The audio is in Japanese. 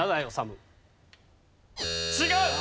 違う！